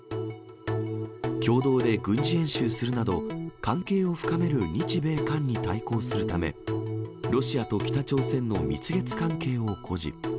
共同で軍事演習するなど、関係を深める日米韓に対抗するため、ロシアと北朝鮮の蜜月関係を誇示。